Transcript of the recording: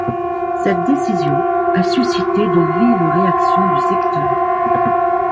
Cette décision a suscité de vives réactions du secteur.